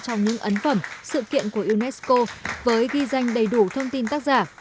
trong những ấn phẩm sự kiện của unesco với ghi danh đầy đủ thông tin tác giả